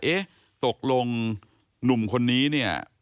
เอ๊ะตกลงหนุ่มคนนี้เนี่ย